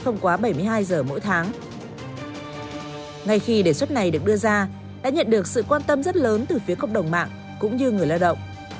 ngay khi đề xuất này được đưa ra đã nhận được sự quan tâm rất lớn từ phía cộng đồng mạng cũng như người lao động